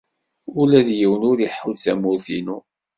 Ula d yiwen ur iḥudd tamurt-inu.